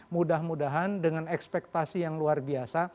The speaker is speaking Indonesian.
mudah mudahan dengan ekspektasi yang luar biasa